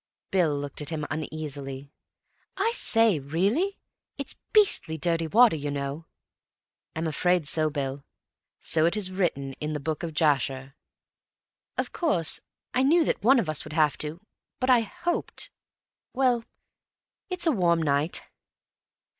Bill looked at him uneasily. "I say, really? It's beastly dirty water, you know." "I'm afraid so, Bill. So it is written in the book of Jasher." "Of course I knew that one of us would have to, but I hoped—oh, well, it's a warm night."